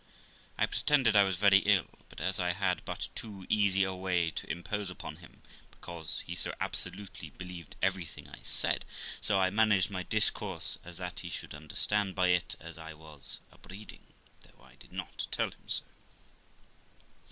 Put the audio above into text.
I pretended I was very ill; and, as I had but too easy a way to impose upon him, because he so absolutely believed everything I said, so I managed my discourse as that he should understand by it I was a breeding, though I did not tell him so.